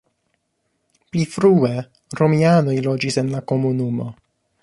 Pli frue romianoj loĝis en la komunumo.